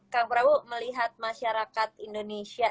kang prabu melihat masyarakat indonesia